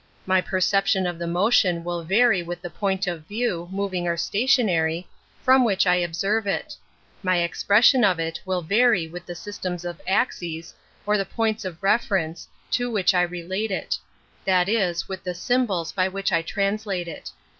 My perception of the motion will vary with the point of view, moving or stationary, from which I observe it. My expression of it will vary with the systems of axes, or the points of reference, to which I relate it; that is, with the sym bols by which I translate it.